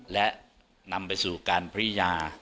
และนำไปสู่การพริยา